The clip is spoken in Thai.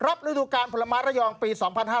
รับธุกาลพลมาทระยองปี๒๕๖๑